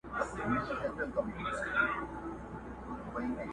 هغه چي پولي د ایمان وې اوس یې نښه نسته!